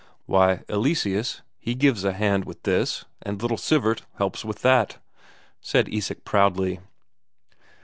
"Why, Eleseus, he gives a hand with this, and little Sivert helps with that," said Isak proudly.